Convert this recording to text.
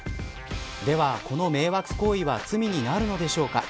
では、この迷惑行為は罪になるのでしょうか。